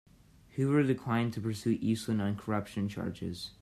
Hoover declined to pursue Eastland on corruption charges.